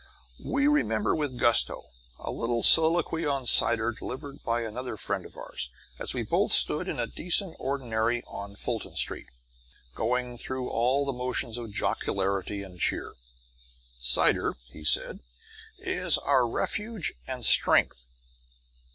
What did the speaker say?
We remember with gusto a little soliloquy on cider delivered by another friend of ours, as we both stood in a decent ordinary on Fulton Street, going through all the motions of jocularity and cheer. Cider (he said) is our refuge and strength.